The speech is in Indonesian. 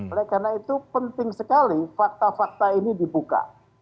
oleh karena itu penting sekali fakta fakta ini dibuka